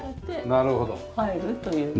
なるほどね。